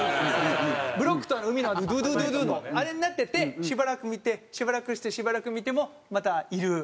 ブロックと海のドゥードゥードゥードゥーのあれになっててしばらく見てしばらくしてしばらく見てもまだいる。